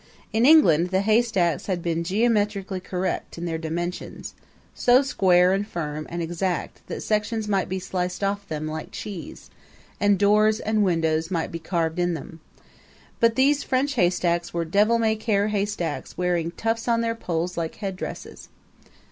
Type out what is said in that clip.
In England the haystacks had been geometrically correct in their dimensions so square and firm and exact that sections might be sliced off them like cheese, and doors and windows might be carved in them; but these French haystacks were devil may care haystacks wearing tufts on their polls like headdresses.